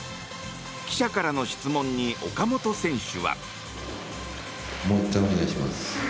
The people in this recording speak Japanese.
記者からの質問に岡本選手は。